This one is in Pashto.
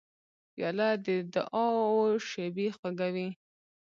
پیاله د دعاو شېبې خوږوي.